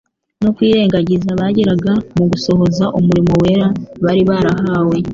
no kwirengagiza bagiraga mu gusohoza umurimo wera bari bahawe: